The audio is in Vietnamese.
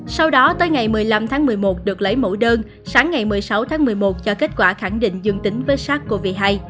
sau đó tới ngày một mươi năm tháng một mươi một được lấy mẫu đơn sáng ngày một mươi sáu tháng một mươi một cho kết quả khẳng định dương tính với sars cov hai